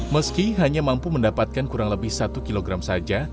meski hanya mampu mendapatkan kurang lebih satu kilogram saja